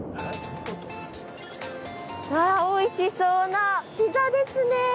おいしそうなピザですね。